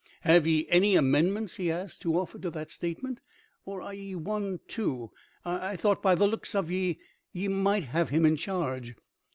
"Have ye any amendments," he asks, "to offer to that statement, or are ye one too? I thought by the looks of ye ye might have him in charge."